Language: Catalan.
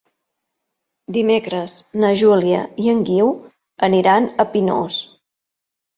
Dimecres na Júlia i en Guiu aniran a Pinós.